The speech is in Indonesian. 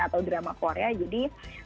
atau drama korea jadi